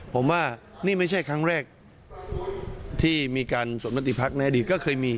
ผมว่านี่ไม่ใช่ครั้งแรกที่มีการสวดมติพักในอดีตก็เคยมี